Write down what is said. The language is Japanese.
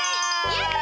やった！